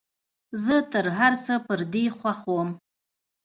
زه تر هرڅه پر دې خوښ وم.